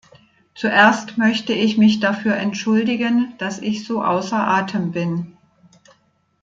Zuerst möchte ich mich dafür entschuldigen, dass ich so außer Atem bin.